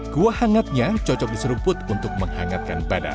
kuah hangatnya cocok diserumput untuk menghangatkan badan